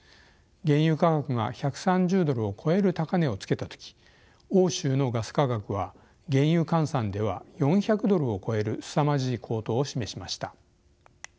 原油価格が１３０ドルを超える高値をつけた時欧州のガス価格は原油換算では４００ドルを超えるすさまじい高騰を示しました。